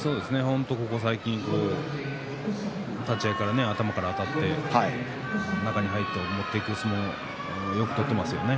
ここ最近立ち合いから、頭からあたって中に入っていく相撲をよく取っていますね。